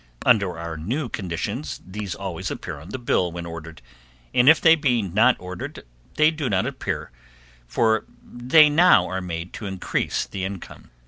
Under our new conditions these always appear on the bill when ordered, and if they be not ordered they do not appear for they now are made to increase the income.